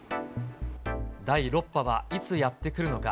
第６波はいつやって来るのか。